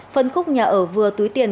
phân khúc nhà ở vừa túi tiền